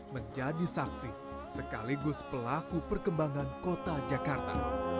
menjadi saksi sekaligus pelaku perkembangan kota jakarta